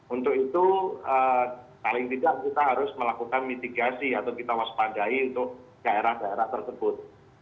untuk itu paling tidak kita harus melakukan mitigasi atau kita waspadai untuk daerah daerah tersebut